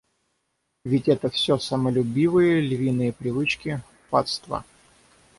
Ведь это все самолюбивые, львиные привычки, фатство.